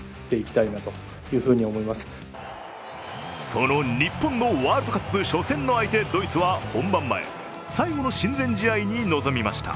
その日本のワールドカップ初戦の相手・ドイツは本番前最後の親善試合に臨みました。